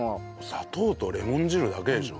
砂糖とレモン汁だけでしょ？